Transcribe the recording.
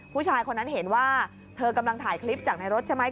ผู้ชายคนนั้นเห็นว่าเธอกำลังถ่ายคลิปจากในรถใช่ไหม